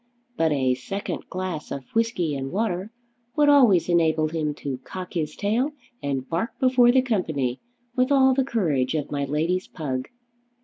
But a second glass of whisky and water would always enable him to cock his tail and bark before the company with all the courage of my lady's pug.